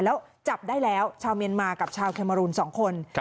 แล้วจับได้แล้วชาวเมียนมากับชาวแคเมอรูน๒คน